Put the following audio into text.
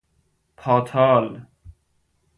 پاتال